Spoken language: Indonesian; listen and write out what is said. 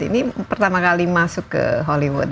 ini pertama kali masuk ke hollywood